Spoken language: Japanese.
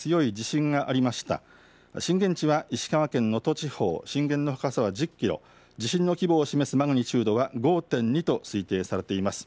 震源地は石川県能登地方、震源の深さは１０キロ、地震の規模を示すマグニチュードは５．２と推定されています。